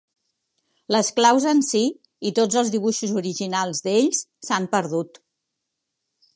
Les claus en si, i tots els dibuixos originals d'ells, s'han perdut.